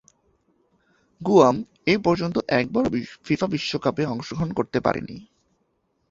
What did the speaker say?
Guam এপর্যন্ত একবারও FIFA বিশ্বকাপে অংশগ্রহণ করতে পারেনি।